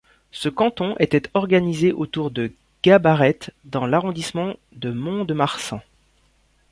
Ce canton était organisé autour de Gabarret dans l'arrondissement de Mont-de-Marsan.